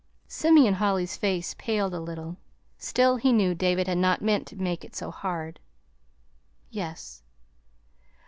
Simeon Holly's face paled a little; still, he knew David had not meant to make it so hard. "Yes."